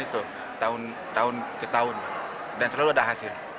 itu tahun ke tahun dan selalu ada hasil